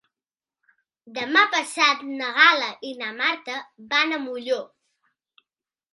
Demà passat na Gal·la i na Marta van a Molló.